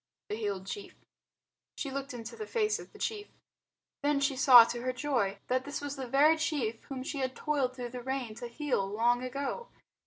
The Healed Chief She looked into the face of the chief. Then she saw to her joy that this was the very chief whom she had toiled through the rain to heal long ago.